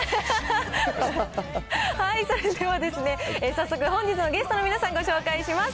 それではですね、早速、本日のゲストの皆さん、ご紹介します。